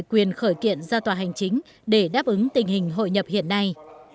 quyền khởi kiện ra tòa hành chính để đáp ứng tình hình hội nhập hiện nay